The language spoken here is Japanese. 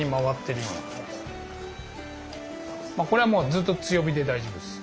これはもうずっと強火で大丈夫です。